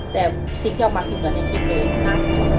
แต่สิ่งที่ออกมาคือเหมือนในคลิปเลยนะ